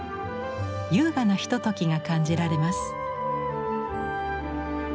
優雅なひとときが感じられます。